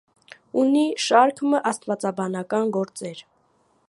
Ունի շարք մը աստուածաբանական գործեր։